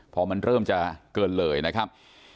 พอมันเริ่มจะเกินเลยนะครับ